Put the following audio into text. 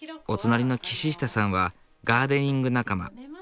お隣のキシシタさんはガーデニング仲間。